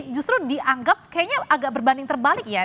justru dianggap kayaknya agak berbanding terbalik ya